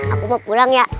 aku mau pulang ya